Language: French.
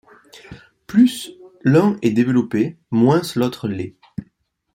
Plus l'un est développé, moins l'autre l'est.